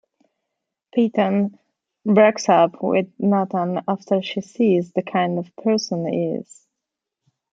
Peyton breaks up with Nathan after she sees the kind of person he is.